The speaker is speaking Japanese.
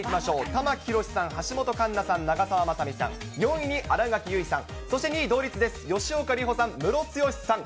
玉木宏さん、橋本環奈さん、長澤まさみさん、４位に新垣結衣さん、そして２位同率です、吉岡里帆さん、ムロツヨシさん。